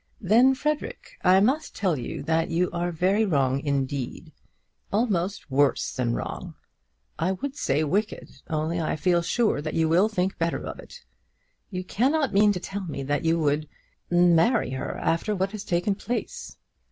"Then, Frederic, I must tell you that you are very wrong indeed; almost worse than wrong. I would say wicked, only I feel sure that you will think better of it. You cannot mean to tell me that you would marry her after what has taken place?"